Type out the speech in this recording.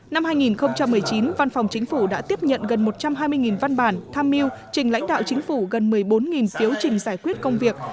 năm hai nghìn một mươi chín văn phòng chính phủ đã tiếp nhận gần một trăm hai mươi văn bản tham mưu trình lãnh đạo chính phủ gần một mươi bốn phiếu trình giải quyết công việc